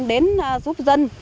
đến giúp dân